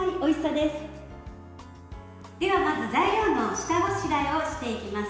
では、まず材料の下ごしらえをしていきます。